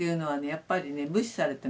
やっぱりね無視されてますね。